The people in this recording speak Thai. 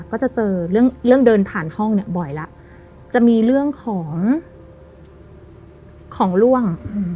ก็จะเจอเรื่องเดินผ่านห้องเนี่ยบ่อยแล้วจะมีเรื่องของของล่วง